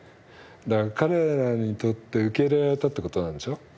彼らにとって受け入れられたってことなんでしょ。